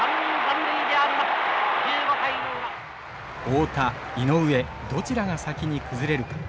太田井上どちらが先に崩れるか。